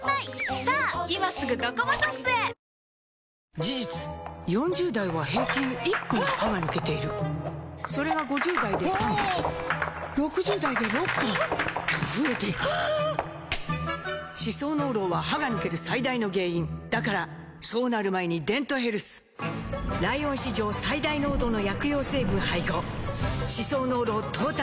事実４０代は平均１本歯が抜けているそれが５０代で３本６０代で６本と増えていく歯槽膿漏は歯が抜ける最大の原因だからそうなる前に「デントヘルス」ライオン史上最大濃度の薬用成分配合歯槽膿漏トータルケア！